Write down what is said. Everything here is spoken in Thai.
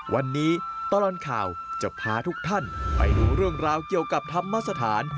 วันนี้ตลอดข่าวจะพาทุกท่านไปดูเรื่องราวเกี่ยวกับธรรมสถาน